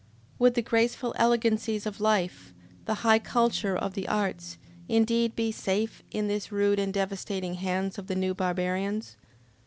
Would the graceful elegancies of life, the high culture of the arts, indeed be safe in the rude and devastating hands of the new barbarians?